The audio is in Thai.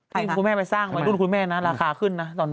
ที่คุณแม่ไปสร้างมารุ่นคุณแม่ลัคาขึ้นนะตอนนี้